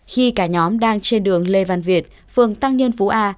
khi cả nhóm đang trên đường lê văn việt phường tăng nhân phú a